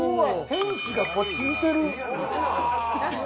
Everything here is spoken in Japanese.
天使がこっち見てる。